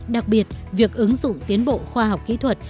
đặc biệt việc ứng dụng tiến bộ khoa học kỹ thuật